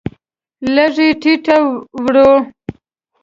لږ یې ټیټه وړوه.